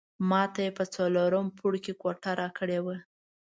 ماته یې په څلورم پوړ کې کوټه راکړې وه.